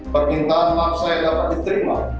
permintaan maaf saya dapat diterima